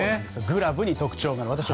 グラブに特徴があります。